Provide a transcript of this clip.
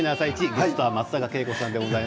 ゲストは松坂慶子さんでございます。